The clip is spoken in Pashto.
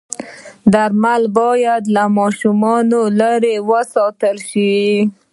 درمل باید له ماشومانو لرې وساتل شي.